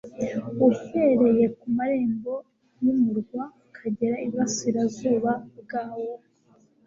uhereye ku marembo y'umurwa ukageza iburasirazuba bwawo,